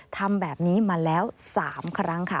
ทำแบบนี้มาแล้ว๓ครั้งค่ะ